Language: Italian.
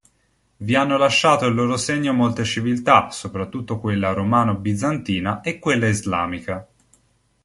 Vi hanno lasciato il loro segno molte civiltà, soprattutto quella romano-bizantina e quella islamica.